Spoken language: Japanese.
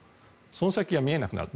その先が見えなくなる。